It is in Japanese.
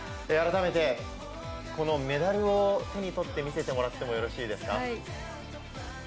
改めて、このメダルを手に取って見せてもらってもよろしいですか。